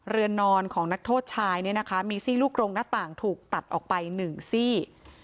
เรือนนอนของนักโทษชายเนี่ยนะคะมีซี่ลูกโรงหน้าต่างถูกตัดออกไป๑ซี่